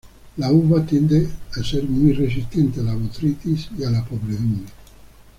La uva tiende a ser muy resistente a la botrytis y a podredumbre.